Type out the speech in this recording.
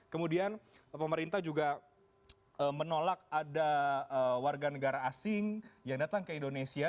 kemudian pemerintah juga menolak ada warga negara asing yang datang ke indonesia